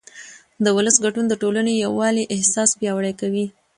د ولس ګډون د ټولنې د یووالي احساس پیاوړی کوي